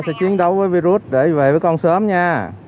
sẽ chiến đấu với virus để về với con sớm nha